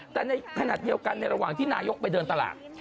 แต่ในขณะเดียวกันในระหว่างที่นายกไปเดินตลาด